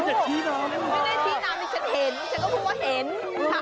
ไม่ได้ทีนามฉันเห็นฉันก็พูดว่าเห็น